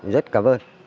rất cảm ơn